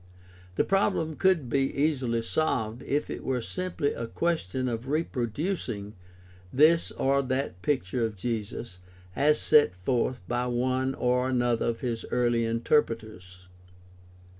The problem could be easily solved if it were simply a question of reproducing this or that picture of Jesus as set forth by one or another of his early interpreters.